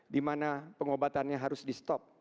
dimana pengobatannya harus di stop